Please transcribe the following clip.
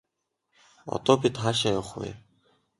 Одоо бид хаашаа явах вэ?